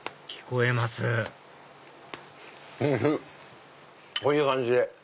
こういう感じで。